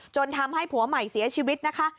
จนทำให้ผัวใหม่เสียชีวิตนะคะ